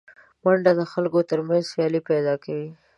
منډه د خلکو تر منځ سیالي پیدا کوي